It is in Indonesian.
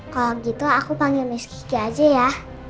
kalau gitu aku panggil miss kiki aja ya